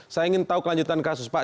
saya ingin tahu kelanjutan kasus pak